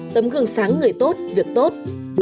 tấm gương sáng người tốt việc tốt